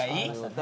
誰？